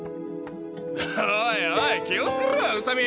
おいおい気をつけろ宇沙見。